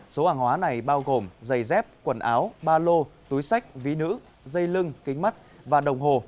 số hàng hóa này bao gồm dây dép quần áo ba lô túi sách ví nữ dây lưng kính mắt và đồng hồ